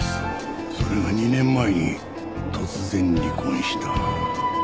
それが２年前に突然離婚した。